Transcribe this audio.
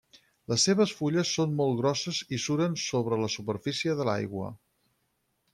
Les seves fulles són molt grosses i suren sobre la superfície de l'aigua.